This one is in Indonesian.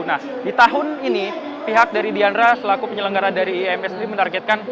nah di tahun ini pihak dari diandra selaku penyelenggara dari ims sendiri menargetkan